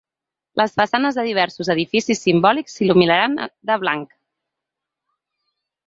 Les façanes de diversos edificis simbòlics s’il·luminaran de blanc.